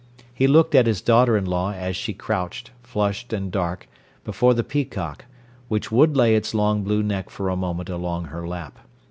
He looked at his daughter in law as she crouched, flushed and dark, before the peacock, which would lay its long blue neck for a moment along her lap.